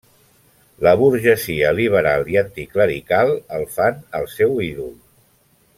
La burgesia liberal i anticlerical el fan el seu ídol.